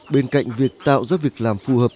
bên cạnh việc tạo ra việc làm phù hợp